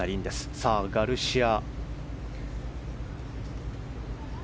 さあ、ガルシア。